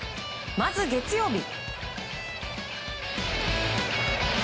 まず月曜日。